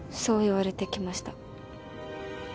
そう言われてきました。